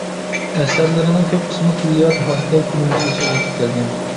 ئەسەرلىرىنىڭ كۆپ قىسمى كۈللىيات ھالىتىدە كۈنىمىزگىچە يېتىپ كەلگەن.